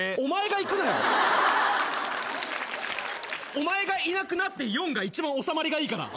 お前がいなくなって４が一番収まりがいいから。